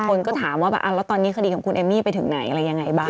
คนก็ถามว่าแล้วตอนนี้คดีของคุณเอมมี่ไปถึงไหนอะไรยังไงบ้าง